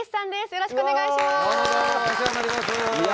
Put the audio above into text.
よろしくお願いします。